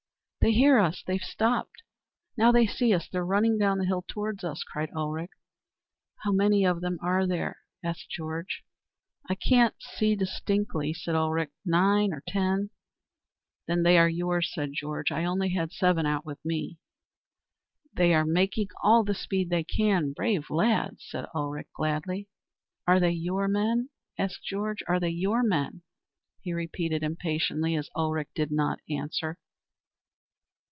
"They hear us! They've stopped. Now they see us. They're running down the hill towards us," cried Ulrich. "How many of them are there?" asked Georg. "I can't see distinctly," said Ulrich; "nine or ten," "Then they are yours," said Georg; "I had only seven out with me." "They are making all the speed they can, brave lads," said Ulrich gladly. "Are they your men?" asked Georg. "Are they your men?" he repeated impatiently as Ulrich did not answer.